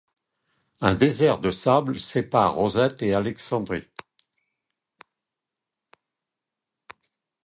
Un désert de sable sépare Rosette et Alexandrie.